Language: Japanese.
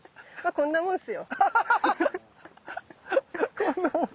こんなもんっす。